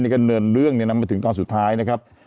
นี่ก็เนินเรื่องนำมาถึงตอนสุดท้ายนะครับ